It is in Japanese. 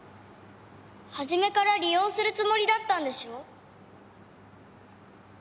初めから利用するつもりだったんでしょ。